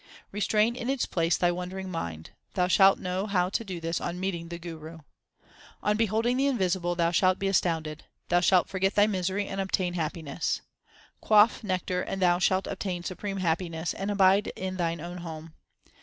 Restrain in its place thy wandering mind ; thou shalt know how to do this on meeting the Guru. On beholding the Invisible thou shalt be astounded ; thou shalt forget thy misery and obtain happiness. Quaff nectar and thou shalt obtain supreme happiness and abide in thine own home.